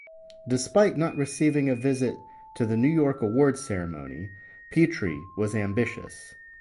Despite not receiving a visit to the New York awards ceremony, Petree was ambitious.